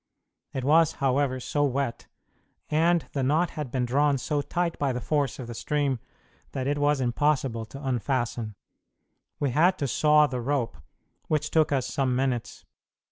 It was, however, so wet, and the knot had been drawn so tight by the force of the stream, that it was impossible to unfasten. We had to saw the rope, which took us some minutes.